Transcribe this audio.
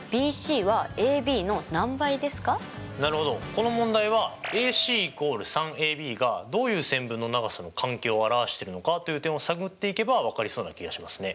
この問題はＡＣ＝３ＡＢがどういう線分の長さの関係を表してるのかという点を探っていけば分かりそうな気がしますね。